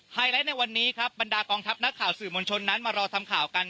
ไลท์ในวันนี้ครับบรรดากองทัพนักข่าวสื่อมวลชนนั้นมารอทำข่าวกัน